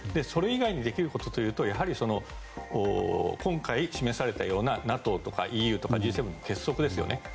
それ以外にできることというとやはり今回、示されたようなＮＡＴＯやＥＵやＧ７の結束ですね。